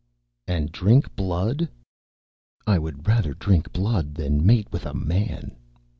"And drink blood?" "I would rather drink blood than mate with a Man.